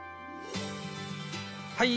はい！